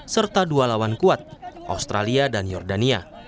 serta dua lawan kuat australia dan jordania